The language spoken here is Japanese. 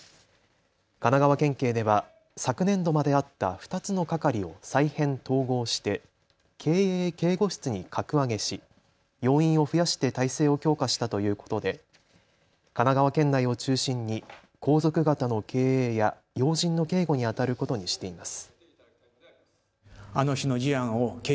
神奈川県警では昨年度まであった２つの係を再編・統合して警衛警護室に格上げし要員を増やして体制を強化したということで神奈川県内を中心に皇族方の警衛や要人の警護にあたることにしています。